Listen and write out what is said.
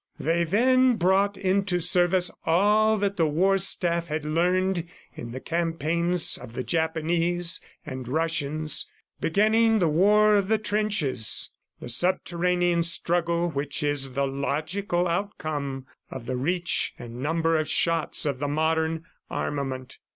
They then brought into service all that the war staff had learned in the campaigns of the Japanese and Russians, beginning the war of the trenches, the subterranean struggle which is the logical outcome of the reach and number of shots of the modern armament.